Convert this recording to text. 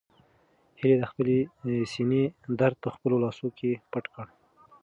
هیلې د خپلې سېنې درد په خپلو لاسو کې پټ کړ.